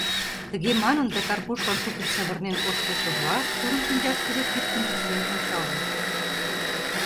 Тыге манын да, Карпушлан тупынь савырнен ошкылшыжла, тудын шинчашкыже тӱткын тӱслен ончалын.